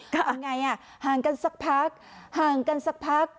ว่าไงห่างกันสักพักห่างกันสักพัก